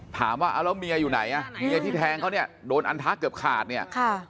ถามว่าเอาแล้วเมียอยู่ไหนอ่ะเมียที่แทงเขาเนี่ยโดนอันทะเกือบขาดเนี่ยค่ะ